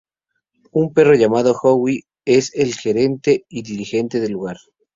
Un perro llamado Howie es el gerente y dirigente del lugar.